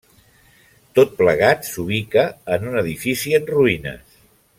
Tot plegat s'ubica en un edifici en ruïnes.